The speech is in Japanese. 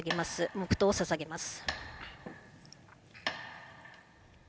黙とうをささげます。